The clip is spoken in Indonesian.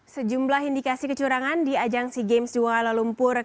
sejumlah indikasi kecurangan di ajang sea games jualalumpur